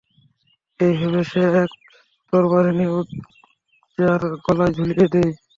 এই ভেবে সে এক তরবারি নিয়ে উযযার গলায় ঝুলিয়ে দেয়।